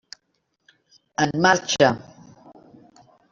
En marxa!